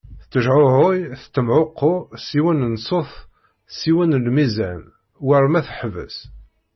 Tettejɛuɛuy tettemɛuqu s yiwen n ssut s yiwen n lmizan, war ma teḥbes.